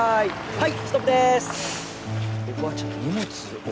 はい。